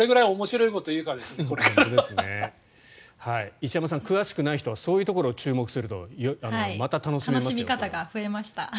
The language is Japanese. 石山さん、詳しくない人はそういうところを注目すると楽しみ方が増えました。